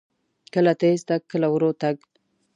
کله تیز تګ، کله ورو تګ.